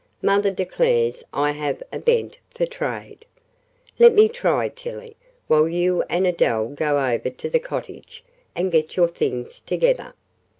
Mother declares I have a bent for trade. Let me try, Tillie, while you and Adele go over to the cottage and get your things together."